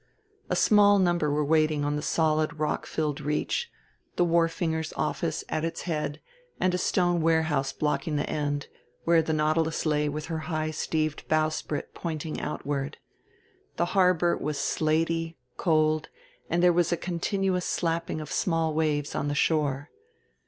A small number were waiting on the solid rock filled reach, the wharfinger's office at its head and a stone warehouse blocking the end, where the Nautilus lay with her high steeved bowsprit pointing outward. The harbor was slaty, cold, and there was a continuous slapping of small waves on the shore.